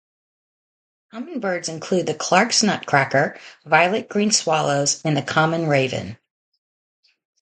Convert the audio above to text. Common birds include the Clark's nutcracker, violet-green swallows, and the common raven.